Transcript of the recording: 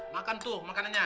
makan tuh makanannya